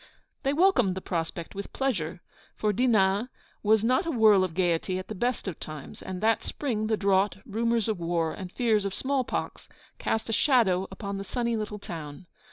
They welcomed the prospect with pleasure, for Dinan is not a whirl of gaiety at the best of times: and that spring the drought, rumours of war, and fears of small pox, cast a shadow upon the sunny little town.